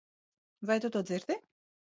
Vai tu to dzirdi?